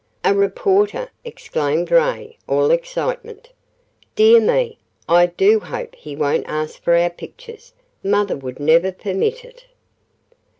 "A reporter!" exclaimed Ray, all excitement. "Dear me! I do hope he won't ask for our pictures. Mother would never permit it."